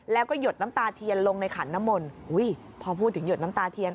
แล้วก็หยดน้ำตาเทียนลงในขันน้ำมนต์อุ้ยพอพูดถึงหยดน้ำตาเทียน